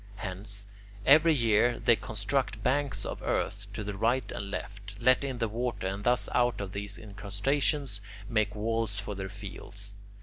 Hence, every year they construct banks of earth to the right and left, let in the water, and thus out of these incrustations make walls for their fields.